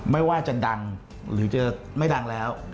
ไม่ว่าจะดังหรือจะไม่ดังแล้ว